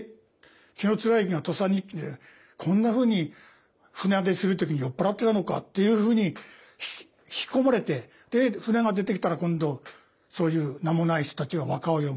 紀貫之が「土佐日記」でこんなふうに船出する時に酔っ払ってたのかっていうふうに引き込まれてで船が出てきたら今度そういう名もない人たちが和歌を詠む。